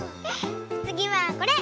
つぎはこれ！